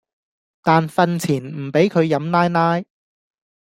但訓前唔俾佢飲奶奶